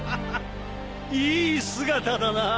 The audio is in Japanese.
いい姿だな！